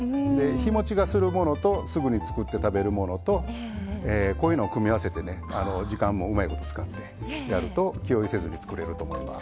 日もちがするものとすぐにつくって食べるものとこういうのを組み合わせてね時間もうまいこと使ってやると気負いせずにつくれると思います。